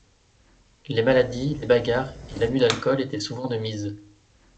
Les maladies, les bagarres et l'abus d'alcool étaient souvent de mise.